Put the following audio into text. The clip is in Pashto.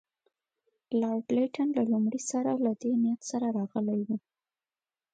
لارډ لیټن له لومړي سره له دې نیت سره راغلی وو.